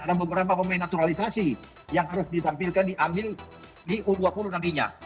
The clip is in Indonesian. ada beberapa pemain naturalisasi yang harus ditampilkan diambil di u dua puluh nantinya